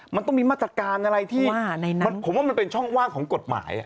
มันต้องมีมาตรการอะไรที่ผมว่ามันเป็นช่องว่างของกฎหมาย